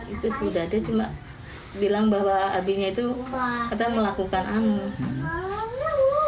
itu sudah ada cuma bilang bahwa abinya itu melakukan amu